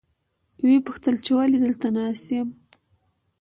ویې پوښتل چې ولې دلته ناست یم.